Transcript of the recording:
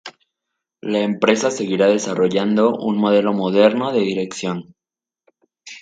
La empresa seguirá desarrollando un modelo moderno de dirección.